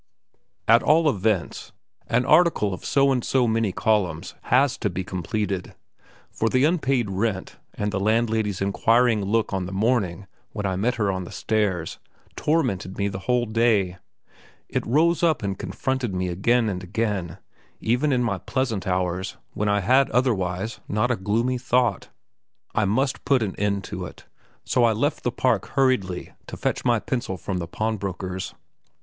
At all events, an article of so and so many columns has to be completed. For the unpaid rent, and the landlady's inquiring look in the morning when I met her on the stairs, tormented me the whole day; it rose up and confronted me again and again, even in my pleasant hours, when I had otherwise not a gloomy thought. I must put an end to it, so I left the park hurriedly to fetch my pencil from the pawnbroker's.